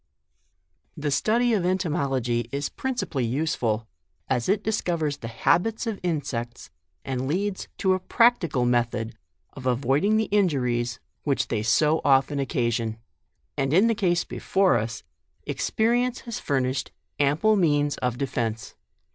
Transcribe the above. The study of entomology is principally useful, as it discovers the habits of insects, and leads to a practical method of avoiding the injuries which they so often occasion ; and in the case before us, experience has furnished ample means of defence.